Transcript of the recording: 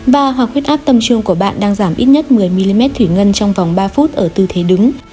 và hoặc huyết áp tâm trương của bạn đang giảm ít nhất một mươi mm thủy ngân trong vòng ba phút ở tư thế đứng